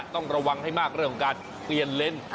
ต้องระวังให้มากเรื่องของการเปลี่ยนเลนส์